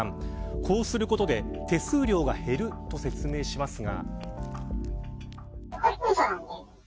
こうすることで手数料が減ると説明しますが。